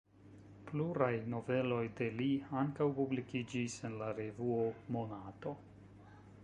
Pluraj noveloj de li ankaŭ publikiĝis en la revuo Monato.